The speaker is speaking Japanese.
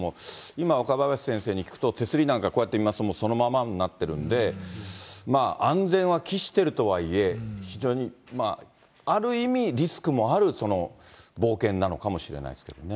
今、若林先生に聞くと、手すりなんかこうやって見ますと、そのままになってますんで、安全は期してるとはいえ、非常にある意味、リスクもある冒険なのかもしれないですけどね。